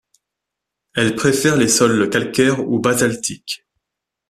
Elle préfère les sols calcaires ou basaltiques.